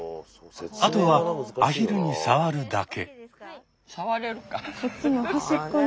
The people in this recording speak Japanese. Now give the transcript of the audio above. あとはアヒルに触るだけ。